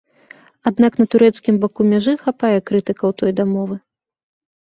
Аднак на турэцкім баку мяжы хапае крытыкаў той дамовы.